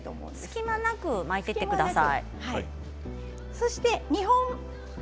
隙間なく巻いてください。